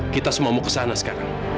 kita semua mau ke sana sekarang